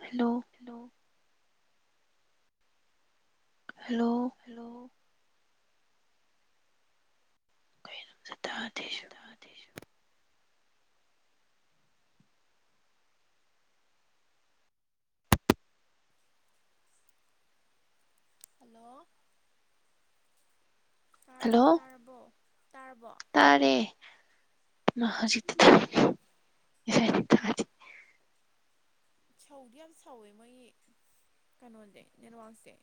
hello hello hello hello ꯇꯗꯤꯁꯨ ꯑꯗꯩ hello ꯇꯥꯔꯕꯣ ꯇꯥꯔꯕꯣ ꯇꯥꯔꯕꯣ ꯇꯔꯦ ꯑꯣ ꯍꯖꯤ ꯁꯧꯗꯤ ꯌꯥꯝ ꯁꯧꯋꯦ ꯃꯣꯏꯒꯤ ꯀꯩꯅꯣꯁꯦ ꯅꯦꯠꯋꯥꯛꯁꯦ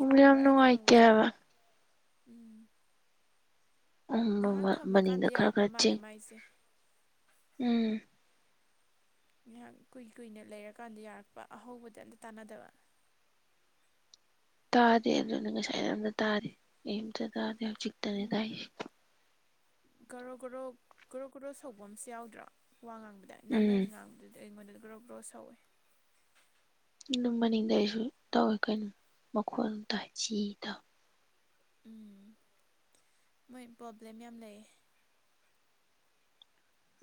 ꯎꯡꯂ ꯁꯧꯕ꯭ꯔꯥ ꯌꯥꯝꯅ ꯑꯩꯅ ꯋꯥꯏ ꯉꯥꯡꯕꯗꯣ ꯀꯌꯥ ꯍꯥꯏ ꯎꯝ ꯉꯥꯏꯍꯥꯛ ꯃꯅꯤꯡꯗ ꯊꯝꯃꯀꯥꯟꯗ ꯈꯔ ꯌꯥꯔꯛꯄ ꯈꯔ ꯃꯥꯜꯂꯦ ꯆꯤꯡ ꯃꯥꯏꯁꯦ ꯎꯝ ꯉꯥꯏꯍꯥꯛ ꯀꯨꯏ ꯀꯨꯏꯅ ꯂꯩꯔꯀꯥꯟꯗ ꯌꯥꯔꯛꯄ ꯑꯍꯧꯕꯗꯤ ꯑꯝꯇ ꯇꯥꯟꯅꯗꯕ ꯇꯥꯗꯦ ꯑꯗꯨꯅ ꯉꯁꯥꯏ ꯑꯝꯇ ꯇꯥꯔꯤ ꯑꯝꯇ ꯇꯥꯗꯦ ꯍꯧꯖꯤꯛꯇꯅꯦ ꯇꯥꯏ ꯎꯝ ꯒꯣꯔꯣ ꯒꯣꯔꯣ ꯒꯣꯔꯣ ꯒꯣꯔꯣ ꯁꯧꯕ ꯑꯃꯁꯁꯨ ꯌꯥꯎꯗ꯭ꯔꯣ ꯋꯥ ꯉꯥꯡꯕꯗ ꯅꯪꯅ ꯎꯝ ꯉꯥꯡꯕꯗꯨ ꯑꯗ ꯑꯩꯉꯣꯟꯗ ꯭ꯔꯣ ꯒ꯭ꯔꯣ ꯁꯧꯋꯦ ꯃꯅꯤꯡꯗ ꯑꯩꯁꯨ ꯇꯧꯋꯤ ꯀꯩꯅꯣ ꯃꯈꯣꯟ ꯑꯝꯇ ꯁꯤ ꯇꯧꯋꯤ ꯎꯝ ꯃꯣꯏ ꯄ꯭ꯔꯣꯕ꯭ꯂꯦꯝ ꯌꯥꯝ ꯂꯩꯌꯦ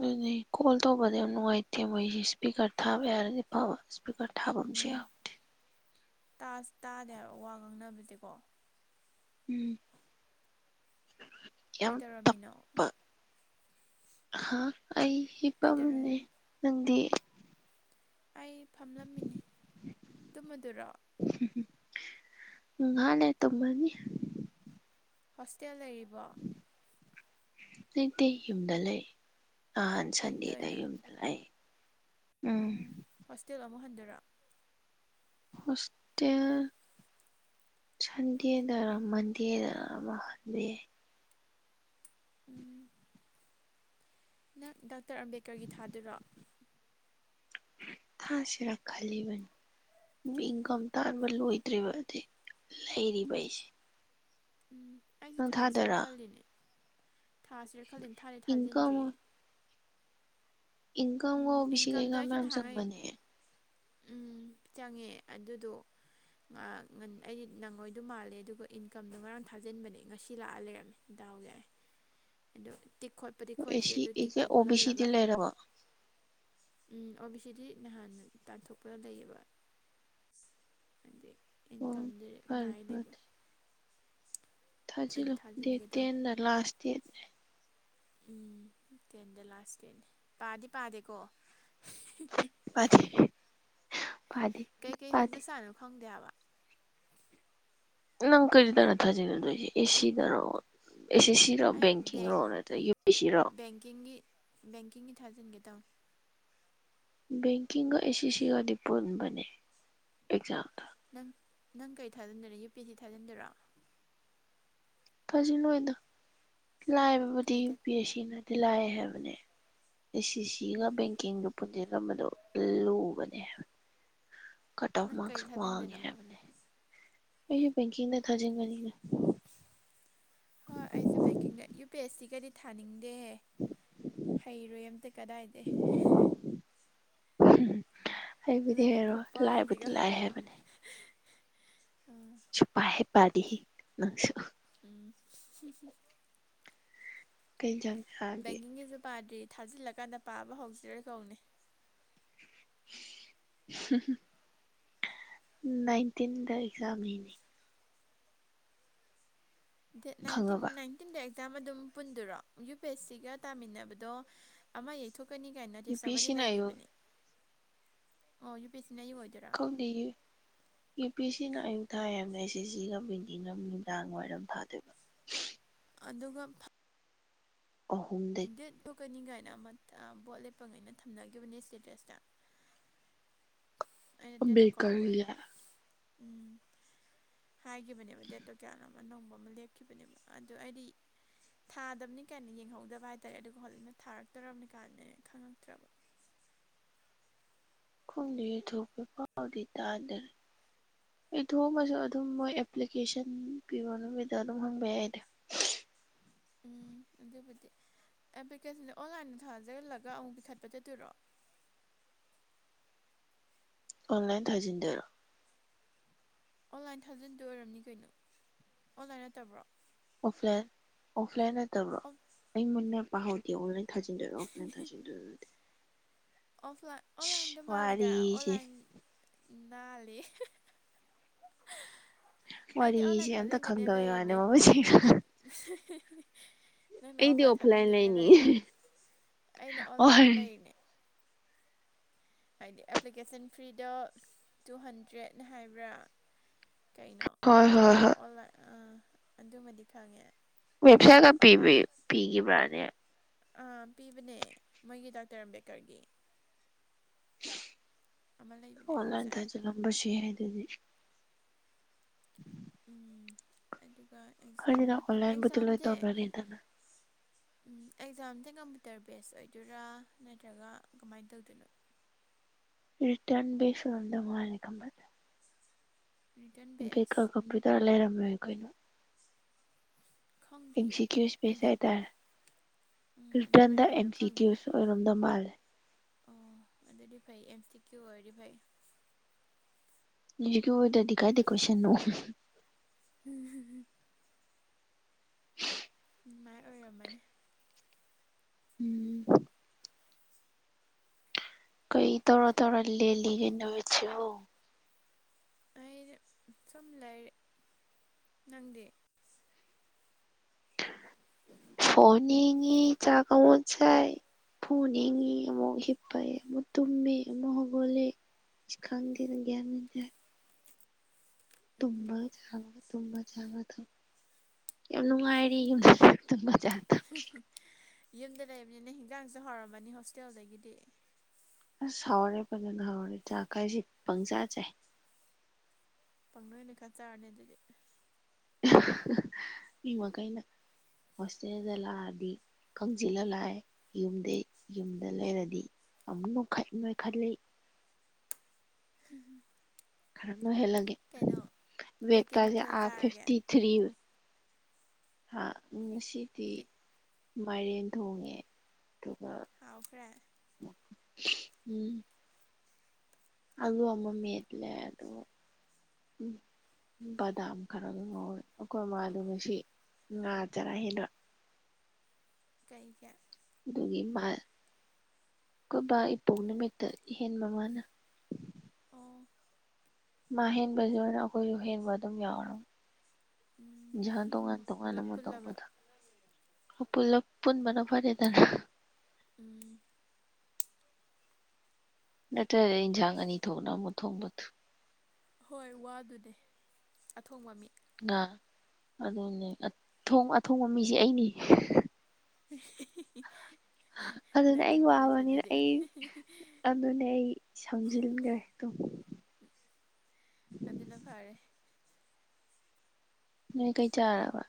ꯑꯗꯨꯅꯦ ꯀꯣꯜ ꯇꯧꯕꯗ ꯅꯨꯡꯉꯥꯏꯇꯦ ꯃꯣꯏꯁꯤ ꯏꯁꯄꯤꯀꯔ ꯊꯥꯕ ꯌꯥꯔꯗꯤ ꯐꯕ ꯏꯁꯄꯤꯀꯔ ꯊꯥꯕꯝꯁꯤ ꯎꯝ ꯇꯥꯗꯦ ꯍꯥꯏꯕ ꯋꯥ ꯉꯥꯡꯅꯕꯁꯦꯀꯣ ꯎꯝ ꯌꯥꯝ ꯀꯩꯗꯧꯔꯝꯃꯤꯅꯣ ꯇꯞꯄꯥ ꯍꯥ ꯑꯩ ꯏꯄ ꯃꯅꯦ ꯀꯩꯗꯧꯔꯝꯃꯤꯅꯣ ꯅꯪꯗꯤ ꯑꯩ ꯐꯝꯂꯝꯃꯤꯅꯤ ꯇꯨꯝꯗꯨꯔꯣ ꯉꯅꯦ ꯇꯨꯝꯃꯅꯤ ꯍꯣꯁꯇꯦꯜ ꯂꯩꯔꯤꯕꯣ ꯇꯩꯗ ꯂꯩ ꯅꯍꯥꯟ ꯌꯨꯝꯗ ꯁꯟꯗꯦꯗ ꯑꯣꯏꯅ ꯌꯨꯝꯗ ꯂꯩꯥ ꯎꯝ ꯍꯣꯁꯇꯦꯜ ꯑꯃꯨꯛ ꯍꯟꯗꯔ ꯍꯣꯁꯇꯦꯜ ꯁꯟꯗꯦꯗꯔ ꯃꯟꯗꯦ ꯗꯔꯍꯟꯕꯤ ꯎꯝ ꯅꯪ ꯗꯥꯛꯇꯔ ꯑꯝꯕꯦꯗꯀꯔꯒꯤ ꯊꯥꯗꯨꯔꯣ ꯊꯥꯁꯤꯔ ꯈꯜꯂꯤꯕꯅꯤ ꯏꯪꯀꯝ ꯇꯥꯟꯕ ꯂꯣꯏꯗ꯭ꯔꯤꯕꯗꯤ ꯂꯩꯔꯤꯕ ꯑꯩꯁꯦ ꯑꯩꯁꯦ ꯅꯪ ꯊꯥꯁꯤꯔ ꯊꯥꯗꯣꯏꯔꯥ ꯈꯜꯂꯤꯅꯦ ꯊꯥꯁꯤꯔ ꯈꯜꯂꯤꯅꯦ ꯊꯥꯅꯦ ꯏꯟꯀꯝ ꯊꯥꯖꯤꯟꯗ꯭ꯔꯤꯌꯦ ꯏꯟꯀꯝꯒ ꯎꯝ ꯑꯣ ꯕꯤ ꯁꯤ ꯏꯟꯀꯝꯗꯣ ꯀꯩꯀꯥ ꯃꯌꯥꯝ ꯑꯩꯁꯨ ꯍꯥꯡꯉꯩ ꯆꯪꯕꯅꯦ ꯎꯝ ꯆꯪꯉꯦ ꯑꯗꯨꯗꯣ ꯑꯩꯗꯤ ꯅꯪꯉꯣꯏꯗꯣ ꯃꯥꯜꯂꯦ ꯑꯗꯨꯒ ꯏꯟꯀꯝꯗꯣ ꯉꯔꯥꯡ ꯊꯥꯖꯤꯟꯕꯅꯦ ꯉꯁꯤ ꯂꯥꯛꯑ ꯂꯩꯔꯝꯃꯦ ꯗꯥꯎ ꯌꯥꯏ ꯑꯗꯣ ꯇꯤꯛ ꯈꯣꯠꯄꯗꯤ ꯑꯦ ꯈꯣꯠꯇ꯭ꯔꯤ ꯁꯤ ꯑꯗꯨ ꯇꯤꯛꯇꯣ ꯑꯣ ꯕꯤ ꯈꯣꯠꯍꯜꯂꯒ [inaudible] ꯎꯝ ꯑꯣ ꯕꯤ ꯁꯤꯗꯤ ꯅꯍꯥꯟ ꯇꯥꯟꯊꯣꯛꯄ ꯂꯩꯌꯦꯕ ꯍꯥꯏꯗꯤ ꯑꯣ ꯏꯟꯀꯝꯗ [inaudible] ꯐꯔꯦ ꯅꯨꯡꯉꯥꯏ ꯂꯩꯕ ꯐꯔꯦ ꯑꯗꯨ ꯊꯥꯖꯤꯜꯂꯨ ꯗꯦꯠ ꯊꯥꯖꯤꯟꯒꯦ ꯇ [inaudible] ꯇꯦꯟꯗ ꯂꯥꯁ ꯗꯥꯠ ꯎꯝ ꯇꯦꯟꯗ ꯂꯥꯁ ꯗꯦꯠꯅꯤ ꯄꯥꯗꯤ ꯄꯥꯗꯦꯀꯣ ꯄꯗꯤ ꯄꯗꯦ ꯀꯥꯅꯣ ꯈꯪꯗꯦꯕ ꯅꯪ ꯀꯔꯤ ꯇꯔꯊꯖꯤꯒ ꯑꯦꯁꯤꯗꯔ ꯑꯦꯁꯤꯁꯤ ꯑꯩ ꯕꯦꯡꯀꯤꯡ ꯕꯦꯡ ꯔꯣ ꯅꯠꯇ꯭ꯔ ꯌꯨ ꯑꯦ ꯁꯤ ꯔꯣ ꯕꯦꯡꯀꯤꯡꯒꯤ ꯕꯦꯡꯀꯤꯡꯒꯤ ꯊꯥꯖꯟꯒꯦ ꯇꯧ ꯕꯦꯡꯀꯤꯡꯒ ꯑꯦꯁꯤ ꯑꯗꯤ ꯄꯨꯔꯕ ꯑꯦꯛꯖꯥꯝ ꯅꯪ ꯅꯪ ꯀꯩ ꯊꯥꯖꯤꯟꯗꯣꯏꯔꯦ ꯌꯨ ꯄꯤ ꯁꯤ ꯊꯥꯖꯤꯟꯗꯣꯏꯔꯣ ꯐꯖꯅꯣꯏꯗ ꯂꯥꯏꯕꯕꯨꯗꯤ ꯀꯩꯗ ꯄꯔ ꯑꯁꯤꯅꯅꯤ ꯂꯥꯏꯑ ꯍꯥꯏꯕꯅꯦ ꯑꯦ ꯁꯤ ꯁꯤꯒ ꯎꯝ ꯕꯦꯡꯀꯤꯡꯗꯨ ꯄꯨꯟꯁꯤꯐꯝ ꯑꯗꯣ ꯂꯨꯕꯅꯦ [unintelligible] ꯅꯪ ꯀꯩ ꯊꯥꯖꯤꯟꯗꯣꯏꯅꯣ ꯍꯥꯏꯗꯤ ꯕꯦꯀꯤꯡꯗꯥ ꯊꯥꯒꯤꯟꯒꯅꯤ ꯍꯣꯏ ꯑꯩꯁꯨ ꯕꯦꯡꯀꯤꯡꯒ ꯌꯨ ꯄꯤ ꯑꯦꯁ ꯁꯤꯒꯤꯔꯤ ꯊꯥꯅꯤꯡꯗꯦꯍꯦ ꯍꯩꯔꯣꯏ ꯑꯝꯇ ꯀꯗꯥꯏꯗ ꯍꯩꯕꯨꯗꯤ ꯂꯥꯏꯔꯤꯛ ꯍꯩꯔꯣꯏ ꯈꯨꯄꯥ ꯂꯥꯏꯕꯨꯗꯤ ꯑꯗꯨꯒ ꯂꯥꯏ ꯍꯥꯏꯕꯅꯦ ꯎꯝ ꯁꯨꯡꯄꯥ ꯍꯦꯛ ꯄꯗꯦꯍꯦ ꯅꯪꯁꯨ ꯎꯝ [unintelligible] ꯀꯩ ꯆꯥꯡ ꯕꯦꯡꯀꯤꯡꯒꯤꯁꯨ ꯄꯥꯗ꯭ꯔꯤ ꯊꯥꯖꯤꯜꯂꯀꯥꯟꯗ ꯄꯥꯕ ꯍꯧꯁꯤꯔꯥꯅꯥ ꯇꯣꯅꯤ [inaudible] [unintelligible] ꯅꯥꯏꯟꯇꯤꯟꯗ ꯑꯦꯛꯖꯥꯝꯅꯤꯅꯤ ꯗꯦꯠ ꯅꯥꯏꯟꯇꯤꯟ ꯈꯪꯉꯕ ꯅꯥꯏꯟ ꯇꯤꯟꯗ ꯑꯦꯛꯖꯥꯝ ꯑꯗꯨꯝ ꯄꯨꯟꯗꯨꯔꯣ ꯌꯨ ꯄꯤ ꯑꯦꯁ ꯁꯤꯒ ꯇꯥꯃꯤꯟꯅꯕꯗꯣ ꯑꯃ ꯌꯩꯊꯣꯛ ꯊꯣꯛꯀꯅꯤ ꯀꯥꯏ ꯌꯨ ꯅꯣꯇꯤꯁ ꯄꯤ ꯑꯃꯗꯤꯗꯤ ꯑꯦꯁꯤꯅ ꯑꯌꯨꯛ ꯂꯩꯒꯤꯈꯤꯕꯅꯦ ꯑꯣ ꯌꯨ ꯄꯁꯤꯅ ꯌꯨ ꯑꯣꯏꯗꯣꯏꯔꯥ [unintelligible] ꯌꯨ ꯄꯤ ꯁꯤꯅ ꯑꯌꯨꯛ ꯊꯥ ꯌꯥꯝꯅ ꯑꯦꯁ ꯑꯦ ꯁꯤꯒ ꯄꯦꯟꯇꯤꯡꯒ ꯃꯤꯗꯥꯡ ꯋꯥꯏꯔꯝ ꯊꯥꯗꯣꯏꯕ ꯑꯗꯨꯒ ꯑꯍꯨꯝꯗꯒꯤ ꯗꯦꯠ ꯊꯣꯛꯀꯅꯤ ꯀꯥꯏꯅ ꯑꯃ ꯕꯣꯠ ꯂꯦꯞꯄ ꯉꯩꯅ ꯊꯝꯅꯈꯤꯕꯅꯦ ꯏꯁꯇꯦꯗ꯭ꯔꯦꯁꯇ ꯀꯥꯎꯈ꯭ꯔꯦ ꯎꯝ [unintelligible] ꯍꯥꯏꯈꯤꯕꯅꯦꯕ ꯗꯦꯠꯇꯣ ꯀꯌꯥꯅꯣ ꯑꯃ ꯑꯅꯧꯕ ꯑꯃ ꯂꯦꯞꯈꯤꯕꯅꯦꯕ ꯑꯗ ꯑꯩꯗꯤ ꯊꯥꯗꯕꯅꯤ ꯀꯥꯏꯅ ꯌꯦꯡꯍꯧꯗꯕ ꯍꯥꯏꯇꯥꯔꯦ ꯑꯗꯨꯒ ꯍꯣꯔꯟꯅ ꯊꯥꯔꯛꯇꯕꯅꯤ ꯀꯥꯏꯅ ꯈꯪꯉꯛꯇ꯭ꯔꯕ ꯈꯪꯗꯦ ꯌꯩꯊꯣꯛꯄꯩ ꯄꯥꯎꯗꯤ ꯇꯥꯗꯔ ꯦ ꯑꯩ ꯊꯣꯡꯉꯁꯨ ꯑꯗꯨꯝ ꯃꯣꯏ ꯑꯦꯄ꯭ꯂꯤꯀꯦꯁꯟ ꯄꯤꯕ ꯅꯨꯃꯤꯠꯇ ꯑꯗꯨꯝ ꯍꯪꯕ ꯌꯥꯏꯅꯦ ꯎꯝ ꯑꯗꯨꯕꯨꯗꯤ ꯑꯦꯄ꯭ꯂꯤꯀꯦꯁꯟꯁꯦ ꯑꯣꯟꯂꯥꯏꯟꯗ ꯊꯥꯖꯜꯂꯒ ꯑꯃꯨꯛ ꯄꯤꯈꯠꯄ ꯆꯠꯇꯣꯏꯔꯣ ꯑꯣꯟꯂꯥꯏꯟ ꯊꯥꯖꯤꯟꯗꯧꯔꯣ ꯑꯣꯟꯂꯥꯏꯟ ꯊꯥꯎꯖꯟꯗ ꯑꯣꯏꯔꯝꯅꯤ ꯀꯩꯅꯣ ꯑꯣꯟꯂꯥꯏꯟ ꯅꯠꯇꯕ꯭ꯔꯣ ꯑꯣꯐꯂꯥꯏꯟ ꯑꯣꯐꯂꯥꯏꯟ ꯅꯠꯇꯕ꯭ꯔꯣ ꯑꯣꯐ ꯑꯩ ꯃꯨꯟꯅ ꯄꯥꯍꯧꯗꯦ ꯑꯣ ꯊꯥꯖꯤꯟꯗꯣꯏꯔꯣ ꯑꯣꯐꯂꯥꯏꯟ ꯊꯥꯖꯤꯟꯗꯣꯏꯔꯣ ꯑꯣꯐ ꯑꯣꯟꯂꯥꯏꯟꯗ ꯃꯥꯜꯂꯤꯗ ꯑꯣꯟꯂꯥꯏꯟ ꯅꯥꯜꯂꯤ ꯑꯩꯗꯤ ꯋꯥꯔꯤꯁꯦ ꯑꯣꯟꯂꯥꯏꯟ ꯑꯝꯇ ꯊꯥꯖꯟꯗꯅꯦ ꯈꯪꯗꯕꯩ ꯋꯥꯅꯦ ꯂꯩꯔꯤꯅꯦ ꯃꯃꯜꯁꯤꯡ ꯅꯪꯅ ꯑꯩꯗꯤ ꯑꯣꯐꯂꯥꯏꯟ ꯊꯥꯖꯤꯟꯗꯨꯅꯦ ꯂꯩꯅꯤ ꯂꯩꯕ ꯑꯩꯅ ꯍꯣꯏ ꯑꯣꯟꯂꯥꯏꯟꯗ ꯂꯩꯔꯤꯅꯦ ꯍꯥꯏꯗꯤ ꯑꯦꯄ꯭ꯂꯤꯀꯦꯁꯟ ꯐ꯭ꯔꯤꯗ ꯇꯨ ꯍꯟꯗ꯭ꯔꯦꯠꯅ ꯍꯥꯏꯕ꯭ꯔꯥ ꯀꯩꯅꯣ ꯍꯣꯏ ꯍꯣꯏ ꯑꯗꯨꯒ ꯍꯣꯏ ꯑꯣꯟꯂꯥꯏꯟ ꯑꯥ ꯑꯗꯨꯃꯗꯤ ꯈꯪꯉꯦ ꯋꯦꯕꯁꯥꯏꯠꯀ ꯄꯤꯕꯤ ꯑꯣꯟꯂꯥꯏꯟ ꯄꯤꯈꯤꯕ꯭ꯔꯥꯅꯦ ꯑ ꯄꯤꯕꯅꯦ ꯃꯣꯏꯒꯤ ꯗꯥꯛꯇꯔ ꯑꯝꯕꯦꯗꯀꯔꯒꯤ ꯑꯃ ꯂꯩꯕꯅꯦ ꯑꯣꯟꯂꯥꯜ ꯋꯦꯕꯁꯥꯏꯠ ꯊꯖꯤꯟꯂꯝꯕꯁꯨ ꯌꯥꯏ ꯗꯨꯗꯤ ꯎꯝ [inaudible] ꯎꯝ ꯑꯗꯨꯒ ꯑꯦꯛꯖꯥꯝꯒꯤ ꯑꯣꯟꯂꯥꯏꯟꯕꯨꯗꯤ ꯂꯣꯏ ꯑꯦꯛꯖꯥꯝꯁꯦ ꯇꯧꯅꯔꯦꯗꯅ [inaudible] ꯎꯝ ꯑꯦꯛꯖꯥꯝꯁꯦ ꯀꯝꯄ꯭ꯌꯨꯇꯔ ꯕꯦꯁ ꯑꯣꯏꯗꯣꯏꯔꯥ ꯅꯠꯇ꯭ꯔꯒ ꯀꯃꯥꯏꯅ ꯇꯧꯗꯣꯏꯅꯣ ꯔꯤꯇꯔꯟ ꯁꯗ ꯃꯥ ꯈꯝꯕ ꯔꯤꯇꯔꯟ ꯕꯦꯁ ꯑꯝꯕꯦꯀꯔ ꯀꯝꯄ꯭ꯌꯨꯇꯔ ꯂꯩꯔꯝꯃꯦ ꯑꯩꯈꯣꯏꯅꯣ [inaudible] ꯑꯦꯝ ꯈꯪꯗꯦꯌꯦ ꯁꯤ ꯀ꯭ꯌꯨ ꯏꯁꯄꯦꯁ ꯍꯥꯏꯗꯤ ꯍꯥꯏꯇꯥꯔꯦ ꯎꯝ ꯑꯗꯨꯃꯥꯏꯅ ꯔꯤꯇꯔꯟꯗ ꯑꯦꯝ ꯑꯣꯏꯗꯣꯏꯔꯥ ꯁꯤ ꯈꯪꯗꯦ ꯀ꯭ꯌꯨꯁ ꯑꯣꯏꯔꯝꯗꯧ ꯃꯥꯜꯂꯦ ꯑꯣ ꯑꯗꯨꯗꯤ ꯐꯩ ꯑꯦꯝꯇꯤꯀꯤꯌꯨ ꯑꯣꯏꯔꯗꯤ ꯐꯩ ꯁꯨꯛ ꯀ ꯑꯣꯏꯗ꯭ꯔꯗꯤ ꯀꯥꯏꯗꯦ ꯀꯣꯏꯁꯟ ꯎꯝ ꯍꯝꯝ [unintelligible] ꯅꯨꯡꯉꯥꯏ ꯑꯣꯏꯔꯝꯃꯅꯤ ꯎꯝ ꯀꯩ ꯇꯧꯔ ꯇꯧꯔ ꯂꯦꯜꯂꯤꯒꯩꯅꯣꯕꯕꯁꯤ ꯑꯩ ꯁꯨꯝ ꯂꯩꯔꯦ ꯅꯪꯗꯤ ꯐꯣꯟ ꯌꯦꯡꯉꯤ ꯆꯛ ꯑꯃꯨꯛ ꯆꯥꯢ ꯐꯨ ꯌꯦꯉꯤ ꯑꯃꯨꯛ ꯍꯤꯞꯄꯥꯏ ꯑꯃꯨꯛ ꯇꯨꯝꯃꯦ ꯑꯃꯨꯛ ꯍꯧꯒꯣꯂꯦ ꯑꯁ ꯈꯪꯘꯦꯘ ꯒꯤꯌꯟ ꯃꯦꯟꯇꯘꯦ ꯎꯝ ꯇꯨꯝꯕꯒ ꯆꯕꯒ ꯇꯨꯝꯕꯒ ꯆꯕꯒ ꯌꯥꯝ ꯅꯨꯡꯉꯥꯏꯔꯤ ꯌꯨꯝꯗ ꯂꯩꯕꯅꯤꯅꯦ ꯍꯤꯟꯖꯥꯡꯁꯨ ꯍꯧꯔꯃꯅꯤ ꯍꯣꯁꯇꯦꯜꯗꯒꯤꯗꯤ ꯑꯁ ꯍꯋꯥꯔꯦ ꯄꯖꯅ ꯍꯋꯥꯔꯦ ꯆ ꯀꯥꯏꯁꯤ ꯄꯪ ꯆꯥ ꯆꯦ ꯄꯪꯅꯣꯏꯅ ꯈ ꯆꯥꯔꯅꯤ ꯑꯗꯨꯗꯤ ꯃꯤ ꯃꯈꯩꯅ ꯍꯣꯁꯇꯦꯜꯗ ꯂꯗꯤ ꯈꯪꯁꯤꯜꯂ ꯂꯥꯛꯑꯦ ꯌꯨꯝꯗꯩ ꯌꯨꯝꯗ ꯂꯩꯔꯗꯤ ꯑꯃꯨꯛ ꯅꯣꯏꯈꯠꯂꯤ ꯍꯝ ꯍꯝ ꯈꯔ ꯍꯦꯜꯂꯒ ꯀꯩꯀꯩ ꯃꯊꯦꯜ ꯆꯥꯔꯒꯦ ꯐꯇꯤ ꯊꯔꯤ ꯍꯥ ꯎ ꯁꯤꯊꯤ ꯀꯩ ꯃꯥꯏꯔꯦꯟ ꯊꯣꯡꯉꯦ ꯑꯗꯨꯒ ꯍꯥꯎꯈ꯭ꯔꯦ ꯎꯝ ꯑꯜꯂꯨ ꯑꯃꯃ ꯃꯠꯂ ꯑꯗꯣ ꯎꯝ ꯕꯗꯥꯝ ꯈꯔ ꯑꯗꯨꯝ ꯉꯧꯋꯦ ꯑꯩꯈꯣꯏ ꯃꯥꯗꯣ ꯉꯁꯤ ꯉꯥ ꯆꯔꯛ ꯍꯦꯗ ꯀꯩ ꯀꯦ ꯑꯗꯨꯒꯤ ꯃꯥ ꯀꯕ ꯏꯄꯣꯛ ꯅꯨꯃꯤꯠ ꯑꯣ ꯃꯥ ꯍꯦꯟꯕꯁꯨ ꯑꯣꯏꯅ ꯑꯩꯈꯣꯏꯁꯨ ꯍꯦꯟꯕ ꯑꯗꯨꯝ ꯌꯥꯎꯔꯨ ꯎꯝ ꯍ ꯇꯣꯉꯥꯟ ꯇꯣꯉꯥꯟꯅ ꯄꯨꯂꯞ ꯑꯃꯨ ꯄꯨꯜꯂꯕ ꯇꯧꯕꯗ ꯄꯨꯂꯞ ꯄꯨꯟꯕꯅ ꯐꯔꯦꯗꯅ ꯎꯝ ꯅꯠꯇ꯭ꯔ ꯏꯟꯁꯥꯡ ꯑꯅꯤ ꯊꯣꯛꯅ ꯑꯃꯨꯛ ꯊꯣꯡꯕꯗꯨ ꯍꯣꯏ ꯋꯥꯗꯨꯅꯦ ꯑꯊꯣꯡꯕ ꯃꯤꯠ ꯑꯗꯨꯅꯦ ꯑꯊꯣꯡꯕ ꯃꯤꯁꯦ ꯑꯩꯅꯤ ꯍꯤꯍꯤ ꯑꯗꯨꯅ ꯑꯩ ꯋꯥꯕꯅꯤꯅ ꯑꯩ ꯑꯗꯨꯅꯦ ꯑꯩ ꯁꯝꯖꯤꯟꯈ꯭ꯔꯦ ꯑꯗꯨꯝ ꯑꯗꯨꯅ ꯐꯔꯦ ꯅꯣꯏ ꯀꯩ ꯆꯥꯔꯔꯕ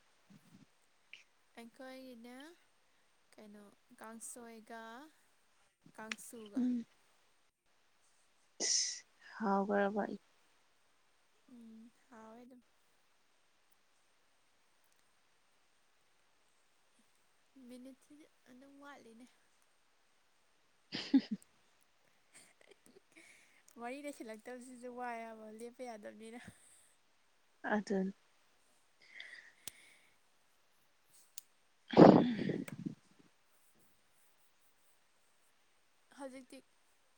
ꯑꯩꯈꯣꯏꯒꯤꯅ ꯀꯩꯅꯣ ꯀꯥꯡꯁꯣꯏꯒ ꯀꯥꯡꯁꯨꯒ ꯍꯥꯎꯒꯔꯕ ꯎꯝ ꯍꯥꯎꯏ ꯑꯗꯨ ꯃꯤꯅꯤꯠꯁꯤꯗꯤ ꯑꯗꯨꯝ ꯋꯥꯠꯂꯤꯅꯦ [unintelligible] ꯋꯥꯔꯤ ꯂꯩꯁꯤꯜꯂꯛꯇꯕꯁꯤꯁꯨ ꯋꯥꯌꯦꯕ ꯂꯦꯞꯄ ꯌꯥꯗꯕꯅꯤꯅ ꯑꯗꯨ [inaudible] ꯍꯧꯖꯤꯛꯇꯤ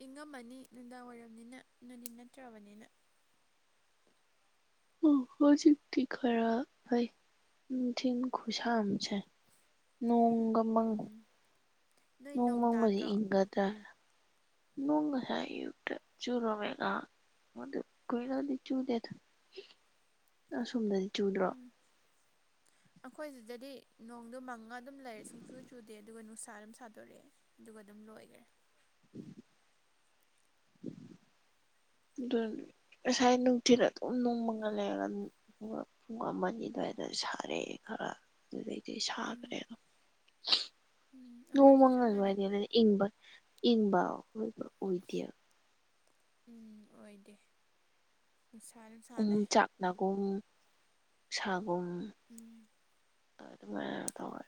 ꯏꯪꯉꯝꯃꯅꯤ ꯅꯨꯡꯗꯥꯡ ꯋꯥꯏꯔꯝꯅꯤꯅ ꯅꯨꯡꯊꯤꯜ ꯅꯠꯇ꯭ꯔꯕꯅꯤꯅ ꯑꯣ ꯍꯧꯖꯤꯛꯇꯤ ꯈꯔ ꯐꯩ ꯅꯤꯡꯊꯤ ꯈꯨꯁꯥꯝꯁꯦ ꯅꯣꯡꯒꯃꯪ ꯎꯝ ꯅꯣꯏ ꯅꯣꯡ ꯃꯪꯗꯤ ꯇꯥꯗ꯭ꯔꯣ ꯏꯪꯒꯗ꯭ꯔꯥꯅ ꯅꯣꯡ ꯉꯥꯁꯥꯢ ꯑꯌꯨꯛꯇ ꯆꯨꯨꯔꯝꯃꯦꯒ ꯀꯨꯏꯅꯗꯤ ꯆꯨꯗꯦ ꯑꯁꯣꯝꯗꯗꯤ ꯆꯨꯗ꯭ꯔꯣ ꯎꯝ ꯑꯩꯈꯣꯏ ꯁꯤꯗꯗꯤ ꯅꯣꯡꯗꯨ ꯃꯪꯉ ꯑꯗꯨꯝ ꯂꯩꯔꯦ ꯁꯨꯡꯆꯨ ꯆꯨꯗꯦ ꯑꯗꯨꯒ ꯅꯨꯡꯁꯥ ꯑꯗꯨꯝ ꯁꯥꯗꯣꯔꯛꯑꯦ ꯑꯗꯨꯒ ꯑꯗꯨꯝ ꯂꯣꯏꯈꯔꯦ [inaudible] ꯎꯝ ꯑꯗꯨ ꯉꯁꯥꯏ ꯅꯨꯡꯊꯤꯜ ꯑꯗꯨꯝ ꯅꯣꯡꯃꯒ ꯂꯩꯔꯒ ꯑꯗꯨꯝ ꯑꯗꯨꯒ ꯄꯨꯡ ꯑꯃ ꯑꯅꯤ ꯑꯗꯨꯋꯥꯏꯗ ꯁꯥꯔꯛꯑꯦ ꯈꯔ ꯑꯗꯨꯗꯩꯗꯤ ꯎꯝ ꯁꯥꯈ꯭ꯔꯦ ꯎꯝ ꯅꯣꯡꯃ ꯑꯩꯈꯣꯏꯁꯨ ꯆꯞ ꯃꯥꯟꯅꯩ ꯑꯗꯨꯋꯥꯏꯗꯤ ꯑꯗꯨ ꯏꯪꯕ ꯏꯪꯕꯥ ꯑꯣꯏꯕ ꯑꯣꯏꯗꯦ ꯎꯝ ꯑꯣꯏꯗꯦ ꯅꯨꯡꯁꯥꯖꯨ ꯁꯥ ꯂꯩ ꯎꯝꯆꯥꯛꯅꯒꯨꯝ ꯁꯥꯒꯨꯝ ꯎꯝ ꯑꯗꯨꯃꯥꯏꯅ ꯇꯧꯋꯦ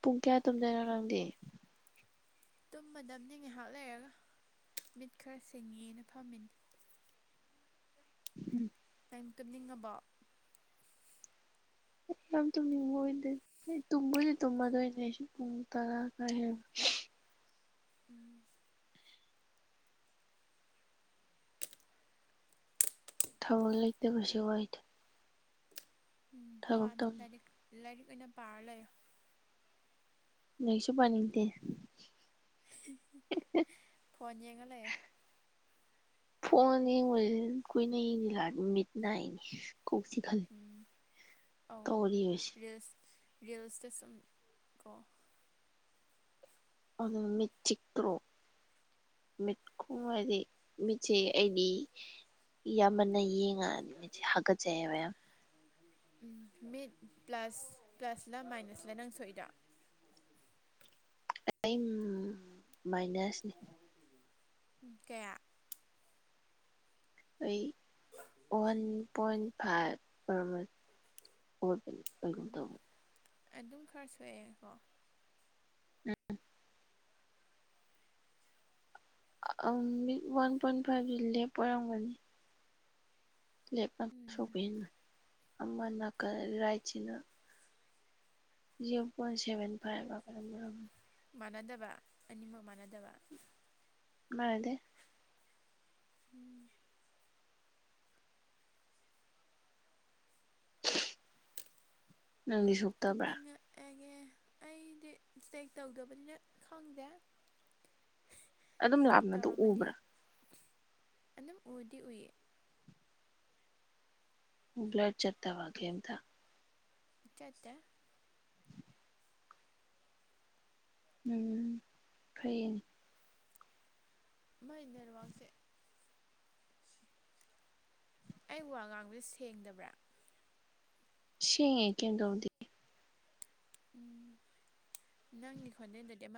ꯄꯨꯡ ꯀꯌꯥ ꯇꯨꯝꯗꯣꯏꯅꯣ ꯅꯪꯗꯤ ꯇꯨꯝꯃꯗꯝꯅꯤ ꯉꯥꯏꯍꯥꯛ ꯂꯩꯔꯒ ꯃꯤꯠ ꯈꯔ ꯁꯤꯡꯉꯤꯅ ꯐꯝꯃꯤꯅꯤ ꯎꯝ ꯅꯪ ꯇꯨꯝꯅꯤꯡꯉꯕꯣ ꯌꯥꯝ ꯇꯨꯝꯅꯤꯡꯕ ꯑꯣꯏꯗꯦ ꯑꯩ ꯇꯨꯝꯕꯨꯗꯤ ꯇꯨꯝꯃꯗꯣꯏꯅꯦ ꯑꯩꯁꯨ ꯄꯨꯡ ꯇꯔꯥ ꯈꯔ ꯍꯦꯟꯕ ꯎꯝ ꯊꯕꯛ ꯂꯩꯇꯕꯁꯦ ꯋꯥꯏꯗ ꯎꯝ ꯊꯕꯛ ꯋꯥꯕꯅꯤ ꯇꯧ ꯂꯥꯏꯔꯤꯛ ꯂꯥꯏꯔꯤꯛ ꯑꯣꯏꯅ ꯄꯥꯔ ꯂꯩꯌꯣ ꯂꯥꯏꯔꯤꯛꯁꯨ ꯄꯥꯅꯤꯡꯗꯦ ꯍꯍ ꯍ ꯐꯣꯟ ꯌꯦꯡꯉ ꯂꯩꯌꯣ ꯐꯣꯟ ꯌꯦꯡꯕꯖꯤ ꯀꯨꯏꯅ ꯌꯦꯖꯤꯟꯂꯛꯑꯗꯤ ꯃꯤꯠ ꯅꯥꯏꯅꯦ ꯎꯝ ꯑꯧ ꯇꯧꯔꯤꯕꯁꯦ ꯔꯤꯜꯁ ꯔꯤꯜꯁ ꯇꯥ ꯁꯨꯝ ꯀꯣ ꯑꯗꯨ ꯃꯤꯠ ꯆꯤꯛꯇ꯭ꯔꯣ ꯃꯤꯠ ꯈꯨꯝꯒ꯭ꯔꯗꯤ ꯃꯤꯠ ꯆꯤꯛꯑꯦ ꯑꯩꯗꯤ ꯏ ꯌꯥꯝꯃꯟꯅ ꯌꯦꯡꯉꯛꯑꯗꯤ ꯃꯤꯠꯁꯦ ꯍꯥꯀꯠꯆꯩꯕ ꯌꯥꯝ ꯎꯝ ꯃꯤꯠ ꯄ꯭ꯂꯁ ꯄ꯭ꯂꯁꯂ ꯃꯥꯏꯅꯁꯂ ꯅꯪ ꯁꯣꯛ ꯏꯗꯣ ꯑꯩ ꯃꯥꯏꯅꯁꯅꯤ ꯎꯝ ꯀꯌꯥ ꯑꯩ ꯋꯥꯟ ꯄꯣꯏꯟ ꯐꯥꯏꯚ ꯑꯣꯏꯔꯝꯃ ꯎꯝ [unintelligible] ꯑꯗꯨꯝ ꯈꯔ ꯁꯣꯛꯑꯦ ꯀꯣ ꯎꯝ ꯑꯪ ꯃꯤꯠ ꯋꯥꯟ ꯄꯣꯏꯟ ꯐꯥꯏꯚꯁꯦ ꯂꯦꯞ ꯑꯣꯏꯔꯝꯒꯅꯤ ꯂꯦꯞ ꯅ ꯎꯝ ꯁꯣꯛꯄ ꯍꯦꯟꯕꯅꯤ ꯑꯃꯅꯥꯀꯟ ꯔꯥꯏꯠꯁꯤꯅ ꯖꯤꯔꯣ ꯄꯣꯏꯟꯚꯦꯟ ꯐꯥꯏꯚꯂ ꯀꯩꯅꯣꯝ ꯑꯣꯏꯔꯝꯅꯤ ꯃꯥꯟꯅꯗꯕ ꯑꯅꯤꯃꯛ ꯃꯥꯟꯅꯗꯕ ꯃꯥꯟꯅꯗꯦ ꯎꯝ ꯅꯪꯗꯤ ꯍꯍ ꯁꯣꯛꯇꯕ꯭ꯔꯥ ꯇꯨꯝꯅꯤꯡꯉꯦ ꯑꯦꯒꯦ ꯑꯩꯗꯤ ꯏꯁꯇꯦꯛ ꯇꯧꯗꯕꯅꯤꯅ ꯈꯪꯗꯦ ꯑꯗꯨꯝ ꯏꯁꯇꯦꯛ ꯂꯥꯞꯅꯗꯣ ꯇꯧꯔꯝꯃꯗꯤ ꯎꯕ꯭ꯔꯥ ꯑꯗꯨꯝ ꯎꯗꯤ ꯎꯏꯌꯦ ꯕꯂꯔ ꯆꯠꯇꯕ ꯀꯦꯝꯇ ꯆꯠꯇꯦ ꯎꯝ ꯐꯩꯌꯦꯅꯦ ꯃꯥꯏ ꯅꯦꯠꯋꯥꯛꯁꯦ ꯑꯩ ꯋꯥ ꯉꯥꯡꯕꯁꯦ ꯁꯦꯡꯗꯕ꯭ꯔꯥ ꯁꯦꯡꯉꯦ ꯀꯦꯝ ꯇꯧꯗꯦ ꯎꯝ ꯅꯪꯒꯤ ꯈꯣꯟꯖꯦꯟꯗꯗꯤ ꯑꯃ